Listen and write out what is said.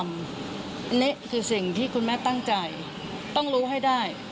อันนี้คือสิ่งที่คุณแม่ตั้งใจต้องรู้ให้ได้